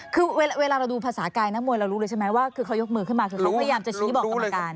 คือเวลาเราดูภาษากายนักมวยเรารู้เลยใช่ไหมว่าคือเขายกมือขึ้นมาคือเขาพยายามจะชี้บอกกรรมการ